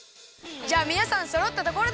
じゃあみなさんそろったところで！